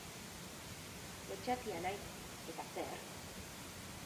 Lotsatia naiz, eta zer?